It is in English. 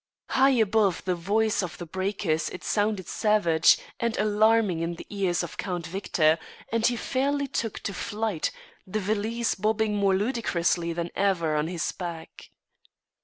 High above the voice of the breakers it sounded savage and alarming in the ears of Count Victor, and he fairly took to flight, the valise bobbing more ludicrously than ever on his back.